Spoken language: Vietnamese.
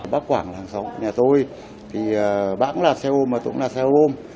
bác quảng là hàng xóm của nhà tôi thì bác cũng làm xe ôm tôi cũng làm xe ôm